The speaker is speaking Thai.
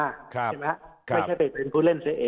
ไม่ใช่เป็นผู้เล่นเอง